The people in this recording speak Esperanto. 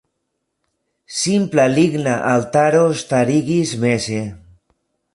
Simpla ligna altaro starigitis meze.